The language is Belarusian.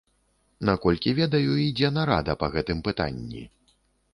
Наколькі ведаю, ідзе нарада па гэтым пытанні.